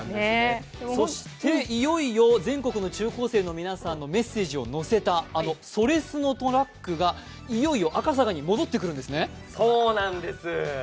そして、いよいよ全国の皆さんのメッセージを乗せたそれスノトラックがいよいよ赤坂に戻ってくるんですよね。